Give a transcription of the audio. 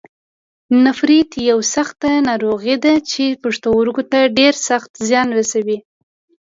نفریت یوه سخته ناروغي ده چې پښتورګو ته ډېر سخت زیان رسوي.